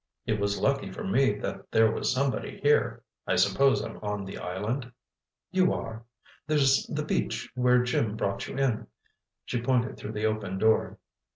"It was lucky for me that there was somebody here—I suppose I'm on the island?" "You are. There's the beach where Jim brought you in." She pointed through the open door.